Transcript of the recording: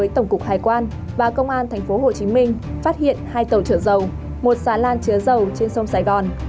tổng cục hải quan và công an tp hcm phát hiện hai tàu chở dầu một xà lan chứa dầu trên sông sài gòn